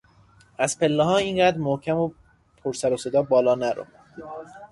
از پلهها اینقدر محکم و پر سر و صدا بالانرو!